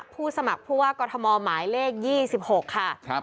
ผู้สมัครผู้ว่ากรทมหมายเลข๒๖ค่ะ